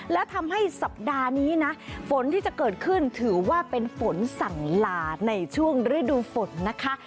และทำให้สัปดาห์นี้นะฝนที่จะเกิดขึ้นถือว่าเป็นฝนสั่งลาในช่วงฤดูฝนนะคะ